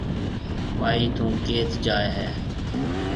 ٻائِي ٿُون ڪيٿ جائي هيَ۔